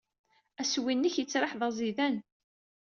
Assewwi-nnek yettraḥ d aẓidan.